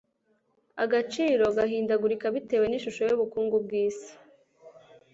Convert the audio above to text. agaciro gahindagurika bitewe n'ishusho y'ubukungu bw'Isi,